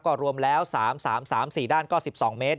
ก็รวมแล้ว๓๓๔ด้านก็๑๒เมตร